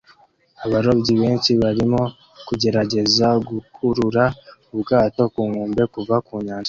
Abarobyi benshi barimo kugerageza gukurura ubwato ku nkombe kuva ku nyanja